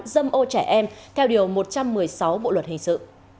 dâm ô trẻ em theo điều một trăm một mươi sáu bộ luật hình sự